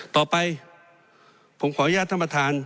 ต่อไปผมขออนุญาตท่านประธาน